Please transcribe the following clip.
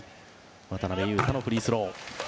渡邊雄太のフリースロー。